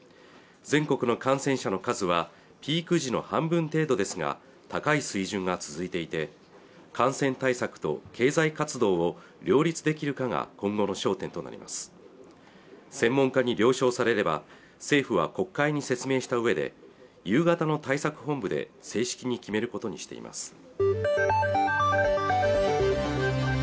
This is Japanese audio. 全国の感染者の数はピーク時の半分程度ですが高い水準が続いていて感染対策と経済活動を両立できるかが今後の焦点となります専門家に了承されれば政府は国会に説明した上で夕方の対策本部で正式に決めることにしています